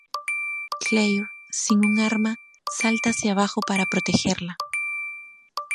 Claire, sin un arma, salta hacia abajo para protegerla.